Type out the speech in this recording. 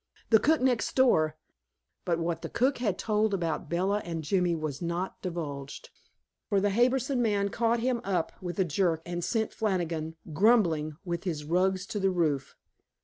The cook next door " But what the cook had told about Bella and Jimmy was not divulged, for the Harbison man caught him up with a jerk and sent Flannigan, grumbling, with his rugs to the roof.